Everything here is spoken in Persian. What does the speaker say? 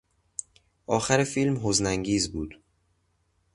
آخر فیلم حزن انگیز بود.